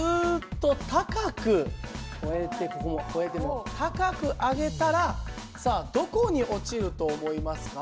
越えてここも越えて高く上げたらさあどこに落ちると思いますか？